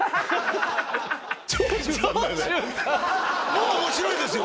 もう面白いですよ。